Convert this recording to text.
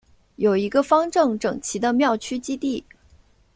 有一个方正整齐的庙区基地。